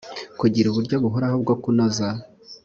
kugira uburyo buhoraho bwo kunoza